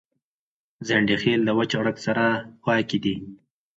ځنډيخيل دوچ غړک سره خواکی دي